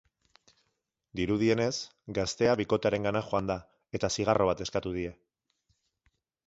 Dirudienez, gaztea bikotearengana joan da, eta zigarro bat eskatu die.